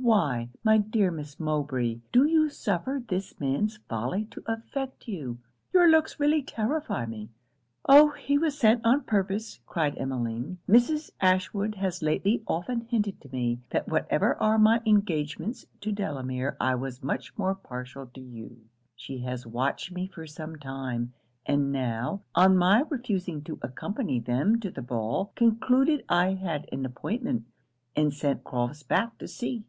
'Why, my dear Miss Mowbray, do you suffer this man's folly to affect you? Your looks really terrify me!' 'Oh! he was sent on purpose,' cried Emmeline. 'Mrs. Ashwood has lately often hinted to me, that whatever are my engagements to Delamere I was much more partial to you. She has watched me for some time; and now, on my refusing to accompany them to the ball, concluded I had an appointment, and sent Crofts back to see.'